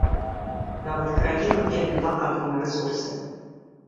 Нават краінам, вельмі багатым на рэсурсы.